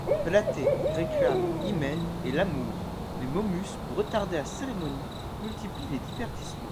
Platée réclame Hymen et l'Amour mais Momus pour retarder la cérémonie multiplie les divertissements.